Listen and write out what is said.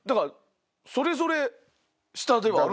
それぞれ下ではある。